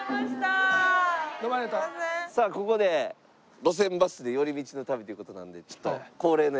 さあここで『路線バスで寄り道の旅』という事なんでちょっと。